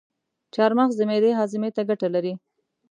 چارمغز د معدې هاضمي ته ګټه لري.